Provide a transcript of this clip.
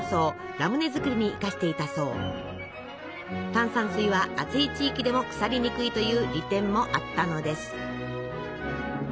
炭酸水は暑い地域でも腐りにくいという利点もあったのです。